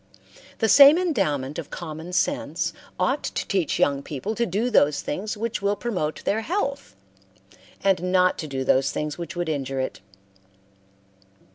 The same endowment of common sense ought to teach young people to do those things which will promote their health, and not to do those things which would injure it.